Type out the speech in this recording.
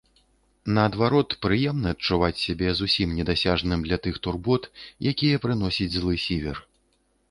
Наадварот, прыемна адчуваць сябе зусім недасяжным для тых турбот, якія прыносіць злы сівер.